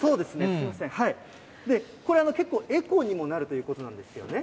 これ、結構、エコにもなるということなんですよね。